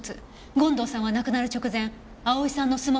権藤さんは亡くなる直前蒼さんのスマホに触っていたの。